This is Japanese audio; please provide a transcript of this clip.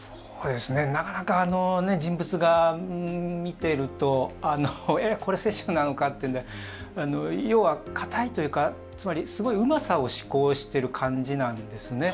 なかなか、人物画を見ているとこれ雪舟なのかというので要は、固いというかつまりすごいうまさを試行している感じなんですね。